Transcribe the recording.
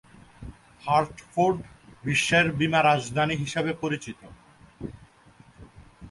Hartford বিশ্বের বীমা রাজধানী হিসেবে পরিচিত।